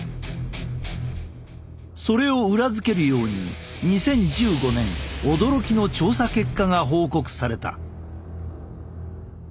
それを裏付けるように２０１５年驚きの調査結果が報告された。